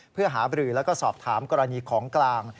เพื่อหาบรือแล้วก็สอบถามกรณีของกลาง